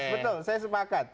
betul saya sepakat